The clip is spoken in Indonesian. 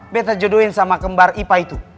beta jodohin sama kembar ipa itu